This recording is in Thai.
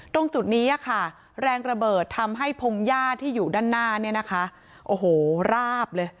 ตรงจุดนี้ค่ะแรงระเบิดทำให้พงหญ้าที่อยู่ด้านหน้าเนี่ยนะคะโอ้โหราบเลย